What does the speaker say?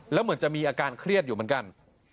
แล้วเหมือนจะมีอาการเครียดอยู่เหมือนกัน